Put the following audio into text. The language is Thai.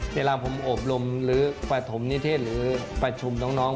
เวลาผมอบรมหรือปฐมนิเทศหรือประชุมน้อง